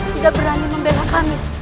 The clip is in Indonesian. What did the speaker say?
tidak berani membela kami